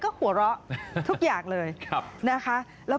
ขอเข้าประตูนี้ครับท่าน